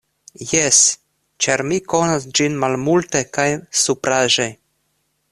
Jes, ĉar mi konas ĝin malmulte kaj supraĵe.